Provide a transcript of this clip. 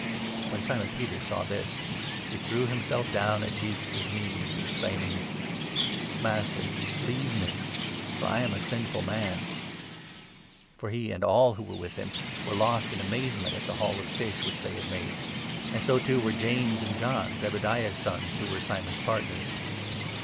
When Simon Peter saw this, he threw himself down at 8 Jesus' knees, exclaiming :" Master, leave me, for I am a sinful man !" For he and all who were with him were lost in amaze 9 ment at the haul offish which they had made; and so, too, 10 were James and John, Zebediah's sons, who were Simon's partners.